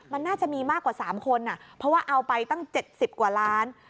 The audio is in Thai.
มันน่าจะมีมากกว่า๓คนเพราะว่าเอาไปตั้ง๗๐กว่าล้าน